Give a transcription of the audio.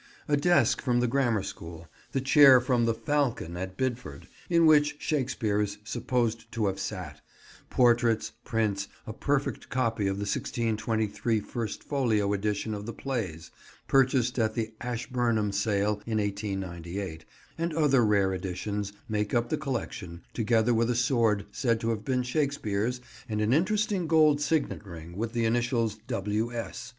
A desk from the Grammar School, the chair from the "Falcon" at Bidford, in which Shakespeare is supposed to have sat, portraits, prints; a perfect copy of the 1623 First Folio edition of the plays, purchased at the Ashburnham Sale in 1898, and other rare editions, make up the collection, together with a sword said to have been Shakespeare's, and an interesting gold signet ring, with the initials "W. S."